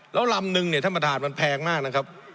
แล้วลำนึงเนี่ยท่านประธานมันแพงมากนะครับ